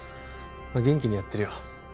元気にやってるよ